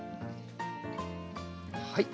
はい。